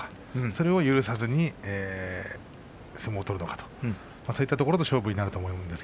それを許さずに相撲を取るのかそういった勝負になると思います。